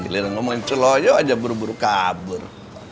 ngomongin celoyo aja buru buru kabur